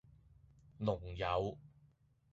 龍友